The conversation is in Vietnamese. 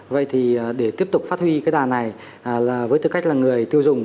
vậy thì để tiếp tục phát huy cái đàn này với tư cách là người tiêu dùng